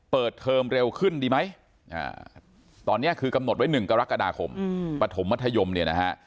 เทอมเร็วขึ้นดีไหมตอนนี้คือกำหนดไว้๑กรกฎาคมปฐมมัธยมเนี่ยนะฮะ